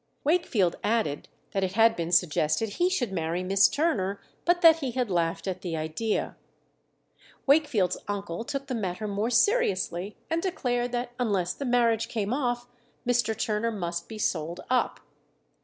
Wakefield added that it had been suggested he should marry Miss Turner, but that he had laughed at the idea. Wakefield's uncle took the matter more seriously, and declared that unless the marriage came off Mr. Turner must be sold up.